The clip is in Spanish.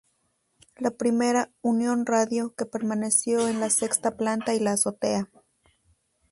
La primera "Unión Radio" que permaneció en la sexta planta y la azotea.